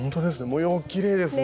模様がきれいですね。